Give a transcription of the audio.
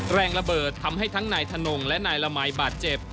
แรงระเบิดทำให้ทั้งนายถนงและนายละมัยบาดเจ็บ